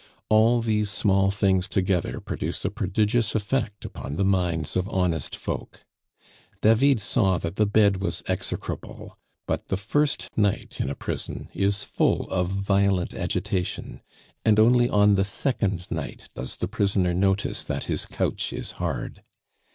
All these small things together produce a prodigious effect upon the minds of honest folk. David saw that the bed was execrable, but the first night in a prison is full of violent agitation, and only on the second night does the prisoner notice that his couch is hard.